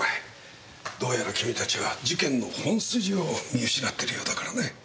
どうやら君たちは事件の本筋を見失っているようだからね。